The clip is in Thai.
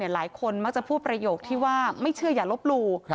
หลายคนมักจะพูดประโยคที่ว่าไม่เชื่ออย่าลบหลู่